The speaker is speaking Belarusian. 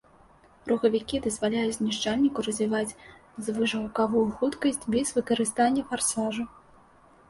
Рухавікі дазваляюць знішчальніку развіваць звышгукавую хуткасць без выкарыстання фарсажу.